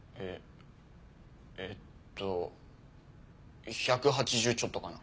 えっと１８０ちょっとかな。